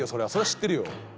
知ってるよ。